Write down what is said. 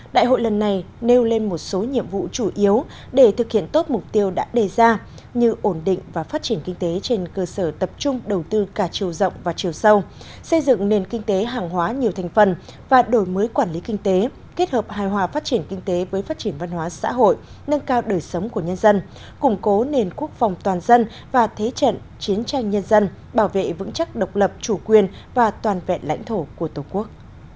đại hội lần này nêu lên một số nhiệm vụ chủ yếu để thực hiện tốt mục tiêu đã đề ra như ổn định và phát triển kinh tế trên cơ sở tập trung đầu tư cả chiều rộng và chiều sâu xây dựng nền kinh tế hàng hóa nhiều thành phần và đổi mới quản lý kinh tế kết hợp hài hòa phát triển kinh tế với phát triển văn hóa xã hội nâng cao đời sống của nhân dân củng cố nền quốc phòng toàn dân và thế trận chiến tranh nhân dân bảo vệ vững chắc độc lập chủ quyền và toàn vẹn lãnh thổ của tổ quốc